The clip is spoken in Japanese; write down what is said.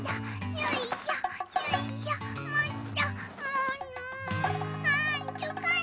よいしょよいしょと。